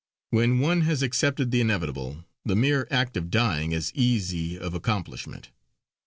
When one has accepted the inevitable, the mere act of dying is easy of accomplishment.